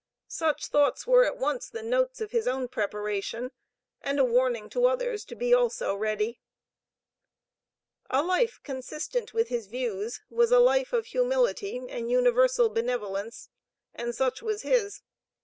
Such thoughts were at once the notes of his own preparation and a warning to others to be also ready. A life consistent with his views, was a life of humility and universal benevolence, and such was his.